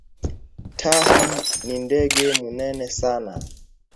Tahi ni ndege munene sana